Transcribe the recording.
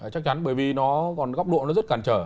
chắc chắn bởi vì nó còn góc độ nó rất cản trở